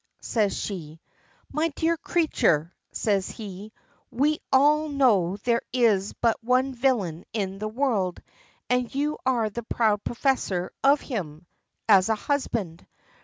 says she. "My dear creature," says he, "we all know there is but one villain in the world, and you are the proud possessor of him as a husband.